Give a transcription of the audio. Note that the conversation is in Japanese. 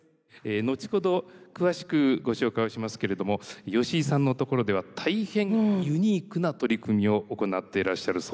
後ほど詳しくご紹介をしますけれども吉井さんのところでは大変ユニークな取り組みを行ってらっしゃるそうです。